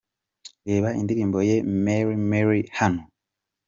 Reba indirimbo ye ’Mélé Mélé’ hano:.